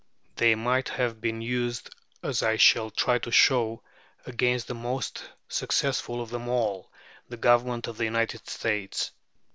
They might have been used, as I shall try to show, against the most successful of them all, the Government of the United States.